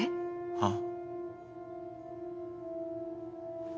ああ。